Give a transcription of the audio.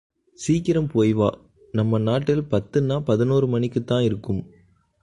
சீக்கிரம் போய்வா... நம்ப நாட்டில் பத்துன்னா பதினோரு மணிக்குத் தான் இருக்கும்.